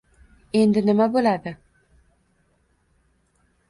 Endi nima bo`ladi